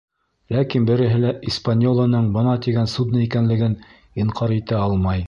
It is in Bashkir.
Ләкин береһе лә «Испаньола »ның бына тигән судно икәнлеген инҡар итә алмай.